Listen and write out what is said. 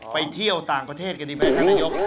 ไปเที่ยวต่างประเทศกันดีไหมท่านนายก